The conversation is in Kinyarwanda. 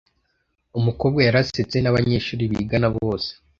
Umukobwa yarasetse nabanyeshuri bigana bose.